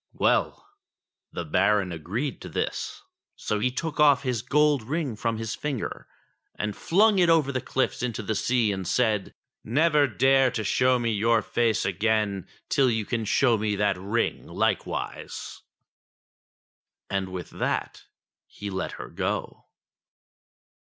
Well ! the Baron agreed to this. So he took off his gold ring from his finger and flung it over the cliffs into the sea and said :*' Never dare to show me your face again till you can show me that ring likewise." And with that he let her go.